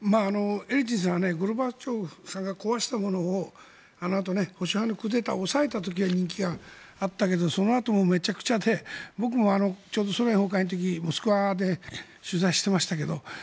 エリツィンさんはゴルバチョフさんが壊したものをあのあと保守派が崩れたものを押し上げた人気があったんですがそのあともめちゃめちゃでちょうどソ連崩壊の時モスクワで取材していましたけど。